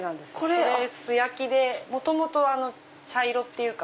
これ素焼きで元々茶色っていうか。